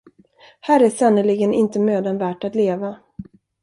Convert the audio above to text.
Här är sannerligen inte mödan värt att leva.